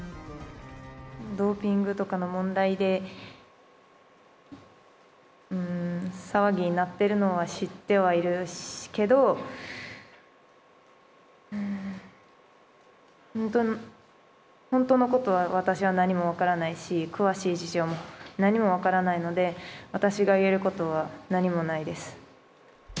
ドーピングとかの問題で、騒ぎになっているのは知ってはいるけど、本当のことは私は何も分からないし、詳しい事情も何も分からないので、私が言えることは何もないです。